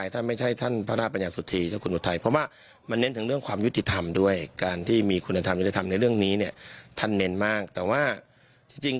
ถ้าตามาแซวก็ตามาไม่ได้มีเรื่องกับใคร